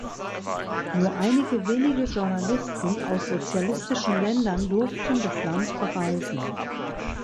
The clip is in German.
Nur einige wenige Journalisten aus sozialistischen Ländern durften das Land bereisen.